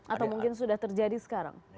atau mungkin sudah terjadi sekarang